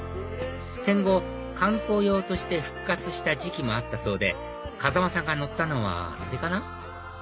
戦後観光用として復活した時期もあったそうで風間さんが乗ったのはそれかな？